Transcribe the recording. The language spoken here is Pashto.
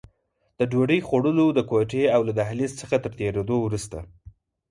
د ډوډۍ خوړلو د کوټې او له دهلېز څخه تر تېرېدو وروسته.